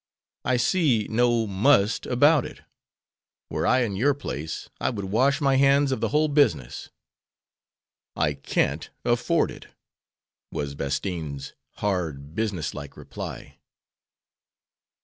"I see no 'must' about it. Were I in your place I would wash my hands of the whole business." "I can't afford it," was Bastine's hard, business like reply.